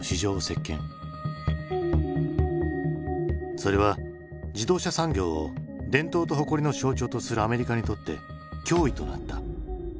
それは自動車産業を伝統と誇りの象徴とするアメリカにとって脅威となった。